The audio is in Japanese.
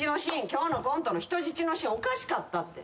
今日のコントの人質のシーンおかしかったって。